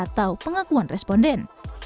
ketiga adalah mengakuang responden